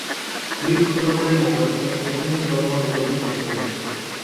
Rick sólo puede moverse en un entorno de dos dimensiones.